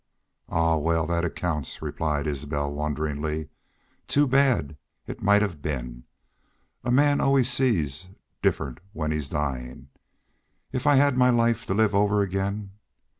"Ahuh! Wal, thet accounts," replied Isbel, wonderingly. "Too bad! ... It might have been.... A man always sees different when he's dyin'.... If I had my life to live over again!